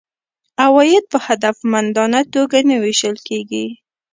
عواید په هدفمندانه توګه نه وېشل کیږي.